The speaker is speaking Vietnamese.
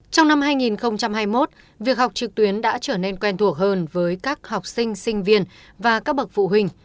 trong năm hai nghìn hai mươi một việc học trực tuyến đã trở nên quen thuộc hơn với các học sinh sinh viên và các bậc phụ huynh